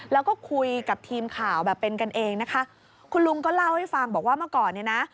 แล้วก็คุยกับทีมข่าวแบบเป็นกันเองนะคะคุณลุงก็เล่าให้ฟังบอกว่าเมื่อก่อนเนี่ยนะ